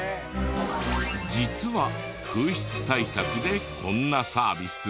実は空室対策でこんなサービスを。